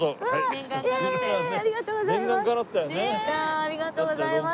ありがとうございます。